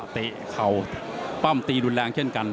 เตะเข่าปั้มตีรุนแรงเช่นกัน